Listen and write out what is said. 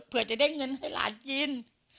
เพื่อจะได้เงินให้หลานกิน